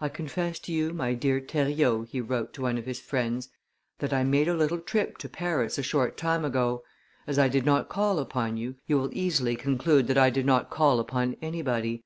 "I confess to you, my dear Theriot," he wrote to one of his friends, "that I made a little trip to Paris a short time ago. As I did not call upon you, you will easily conclude that I did not call upon anybody.